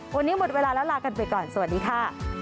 วันนี้หมดเวลาแล้วลากันไปก่อนสวัสดีค่ะ